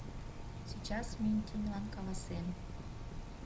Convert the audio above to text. Сейчас минь тиньлан каласем.